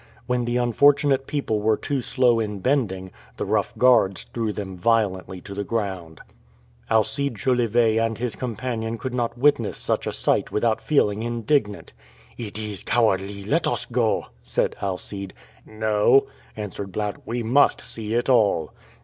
When the unfortunate people were too slow in bending, the rough guards threw them violently to the ground. Alcide Jolivet and his companion could not witness such a sight without feeling indignant. "It is cowardly let us go," said Alcide. "No," answered Blount; "we must see it all."